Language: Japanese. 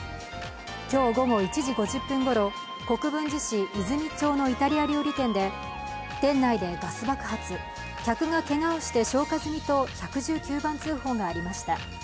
今日午後１時５０分ごろ、国分寺市泉町のイタリア料理店で、店内でガス爆発、客がけがをして消火済みと１１９番通報がありました。